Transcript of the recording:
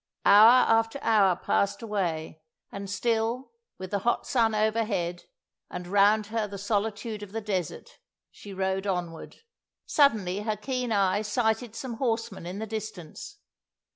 Hour after hour passed away, and still, with the hot sun overhead, and round her the solitude of the desert, she rode onward. Suddenly her keen eye sighted some horsemen in the distance.